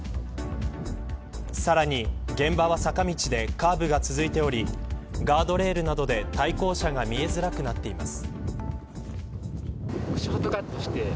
さらに、現場は坂道でカーブが続いておりガードレールなどで対向車が見えづらくなっています。